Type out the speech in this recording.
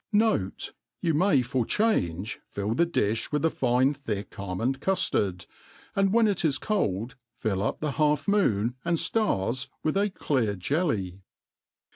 Note, You may for change fill the diih with a fine thick al mond cufiard ; and when it is cold, fill up the half moon and ftars with a clear jelly.